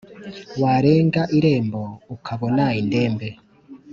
warenga irembo ukabona indembe